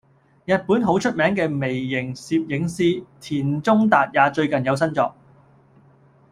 日本好出名嘅微型攝影師田中達也最近有新作